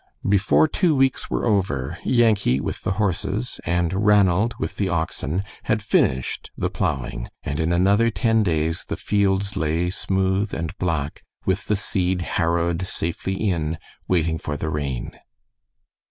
Before two weeks were over, Yankee, with the horses, and Ranald, with the oxen, had finished the plowing, and in another ten days the fields lay smooth and black, with the seed harrowed safely in, waiting for the rain.